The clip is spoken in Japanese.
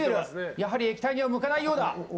やはり液体には向かないようだ。